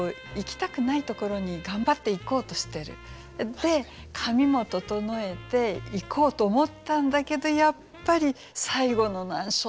で髪も整えて行こうと思ったんだけどやっぱり最後の難所で靴が合わない。